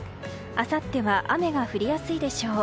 あさっては雨が降りやすいでしょう。